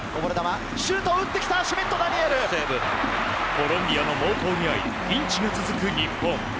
コロンビアの猛攻にあいピンチが続く日本。